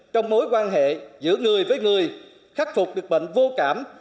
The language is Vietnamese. trong mối quan hệ giữa người với người khắc phục được bệnh vô cảm